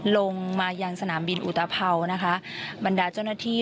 ลงมายังสนามบินอุตภาวนะคะบรรดาเจ้าหน้าที่